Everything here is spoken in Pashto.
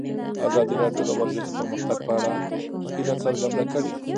ازادي راډیو د ورزش د پرمختګ په اړه هیله څرګنده کړې.